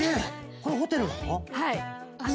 これホテルなの？